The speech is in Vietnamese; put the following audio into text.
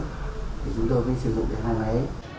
thì chúng tôi mới sử dụng cái hai máy